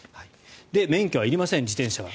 免許はいりません、自転車は。